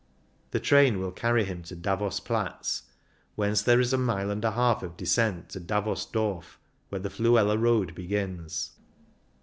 The train will carry him to Davos Platz, whence there is a mile and a half of descent to Davos Dorf, where the Fluela road begins.